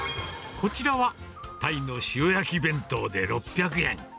こちらは、タイの塩焼き弁当で６００円。